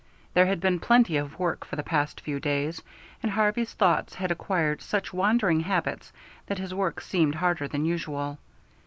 There had been plenty of work for the past few days, and Harvey's thoughts had acquired such wandering habits that his work seemed harder than usual.